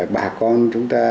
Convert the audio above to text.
bà con chúng ta